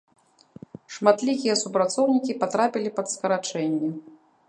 Шматлікія супрацоўнікі патрапілі пад скарачэнне.